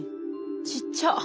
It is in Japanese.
ちっちゃ。